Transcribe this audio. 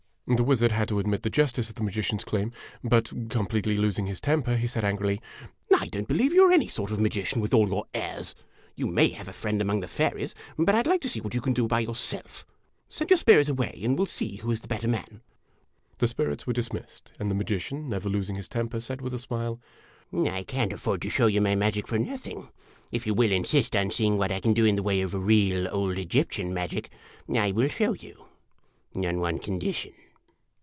The wizard had to admit the justice of the magician's claim; but, completely losing his temper, he said angrily: " I don't believe you are any sort of a magician, with all your airs ! You may have a friend among the fairies, but I 'd like to see what you can do by yourself. Send your spirit away, and we '11 see who is the better man !' The spirits were dismissed, and the magician, never losing his temper, said, with a smile: "I can't afford to show my magic for nothing ! If you will insist on seeing what I can do in the way of real old Egyptian magic, I will show you, on one condition."